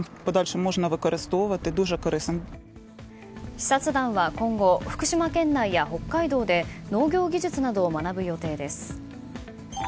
視察団は今後福島県内や北海道で農業技術などを学ぶ予定です。